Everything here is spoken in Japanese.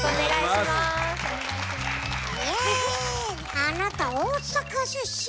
あなた大阪出身なの？